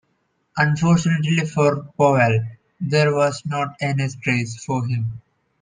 Unfortunately for Powell, there was not a 'next race' for him.